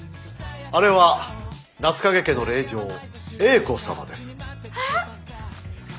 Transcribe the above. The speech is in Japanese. あれは夏影家の令嬢英子様です。え！？